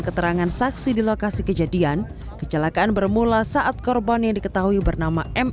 keterangan saksi di lokasi kejadian kecelakaan bermula saat korban yang diketahui bernama m